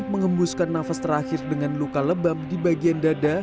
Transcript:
mengembuskan nafas terakhir dengan luka lebam di bagian dada